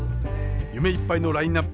夢いっぱいのラインナップ！